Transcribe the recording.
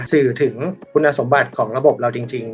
สื่อถึงคุณสมบัติของระบบเราจริง